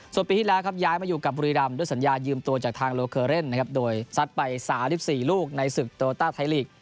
ส่วนปีที่แล้วย้ายมาอยู่กับบุรีรัมด์ด้วยสัญญายืมตัวจากทางโลเคอร์เล่นโดยซัดไปสาหรัฐ๑๔ลูกในศึกโตราต้าไทยลีก